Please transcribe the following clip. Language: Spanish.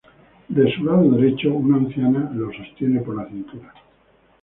De su lado derecho, una anciana lo sostiene por la cintura.